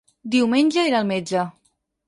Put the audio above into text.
Diumenge irà al metge.